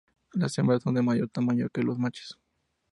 Las hembras son de mayor tamaño que los machos.